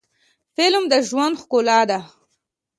فلم د ژوند ښکلا ده